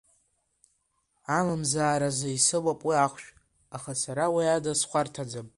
Амазааразы исымоуп уи ахәшә, аха сара уи ада схәарҭаӡам.